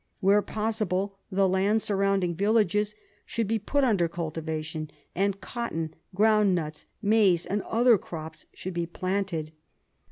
Where possible, the land sur rounding villages should be put under cultivation, and cotton, ground nuts, maize, and other crops should be planted.